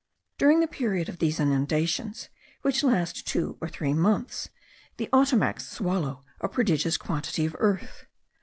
During the period of these inundations, which last two or three months, the Ottomacs swallow a prodigious quantity of earth.